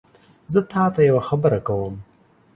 زه تاته یوه خبره کوم